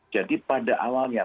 jadi pada awalnya